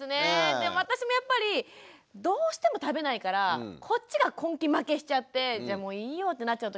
でも私もやっぱりどうしても食べないからこっちが根気負けしちゃって「じゃあもういいよ」ってなっちゃう時結構あるんですよね。